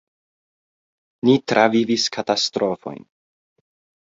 "Ni travivis katastrofojn."